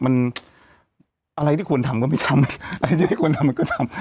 มันอะไรที่ควรทำก็ไม่ทำอะไรที่ไม่ควรทำมันก็ทำ